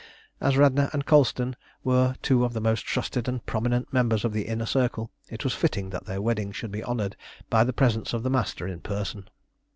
As Radna and Colston were two of the most trusted and prominent members of the Inner Circle, it was fitting that their wedding should be honoured by the presence of the Master in person.